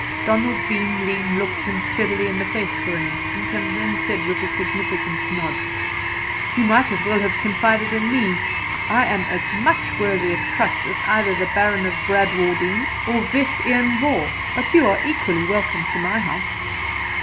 Donald Bean Lean looked him steadily in the face for an instant, and then said, with a significant nod, 'You might as well have confided in me; I am as much worthy of trust as either the Baron of Bradwardine or Vich Ian Vohr. But you are equally welcome to my house.'